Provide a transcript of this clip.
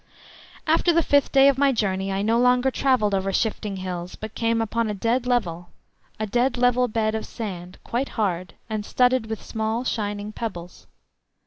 After the fifth day of my journey I no longer travelled over shifting hills, but came upon a dead level, a dead level bed of sand, quite hard, and studded with small shining pebbles.